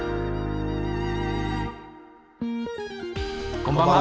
こんばんは。